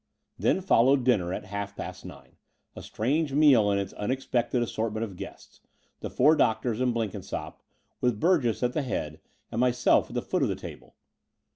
Then followed dinner at half past nine, a strange meal in its unexpected assortment of guests — the four doctors and Blenkinsopp, with Burgess at the head and myself at the foot of the table.